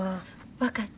分かった。